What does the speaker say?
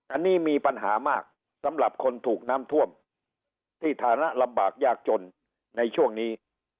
อันนี้มีปัญหามากสำหรับคนถูกน้ำท่วมที่ฐานะลำบากยากจนในช่วงนี้